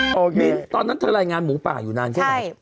ตอนนั้นเธอรายงานหมูป่าอยู่นานแค่ไหน